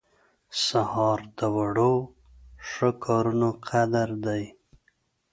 سهار د وړو ښه کارونو قدر دی.